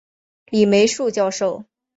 李梅树教授